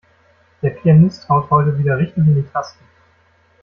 Der Pianist haut heute wieder richtig in die Tasten.